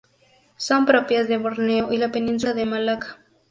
Son propias de Borneo y la península de Malaca.